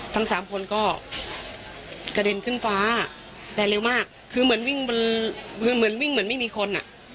ทั้งสามคนก็กระเด็นขึ้นฟ้าแต่เร็วมากคือเหมือนวิ่งเหมือนไม่มีคน